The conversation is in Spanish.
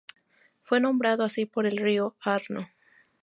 Fue nombrado así por el río Arno.